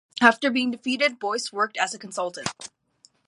After being defeated, Boyce worked as a consultant.